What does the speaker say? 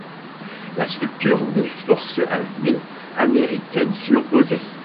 La structure des forces armées américaines s’y opposait.